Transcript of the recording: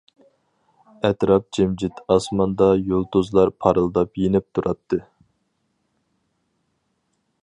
ئەتراپ جىمجىت ئاسماندا يۇلتۇزلار پارىلداپ يېنىپ تۇراتتى.